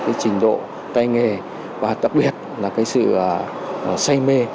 cái trình độ tay nghề và đặc biệt là cái sự say mê